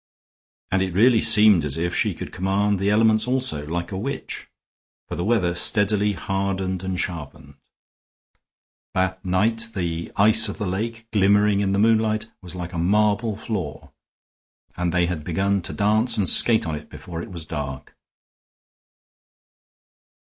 And it really seemed as if she could command the elements also, like a witch. For the weather steadily hardened and sharpened; that night the ice of the lake, glimmering in the moonlight, was like a marble floor, and they had begun to dance and skate on it before it was dark.